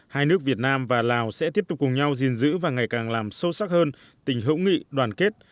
hai nước việt nam và lào sẽ tiếp tục cùng nhau gìn giữ và ngày càng làm sâu sắc hơn tình hữu nghị đoàn kết